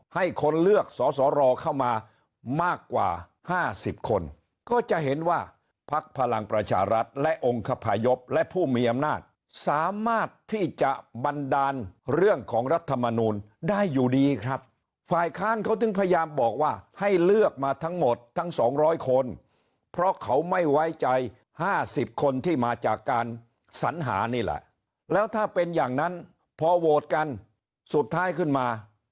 ให้คนเลือกสอสอรอเข้ามามากกว่าห้าสิบคนก็จะเห็นว่าพักพลังประชารัฐและองค์คพยพและผู้มีอำนาจสามารถที่จะบันดาลเรื่องของรัฐมนูลได้อยู่ดีครับฝ่ายค้านเขาถึงพยายามบอกว่าให้เลือกมาทั้งหมดทั้งสองร้อยคนเพราะเขาไม่ไว้ใจห้าสิบคนที่มาจากการสัญหานี่แหละแล้วถ้าเป็นอย่างนั้นพอโหวตกันสุดท้ายขึ้นมา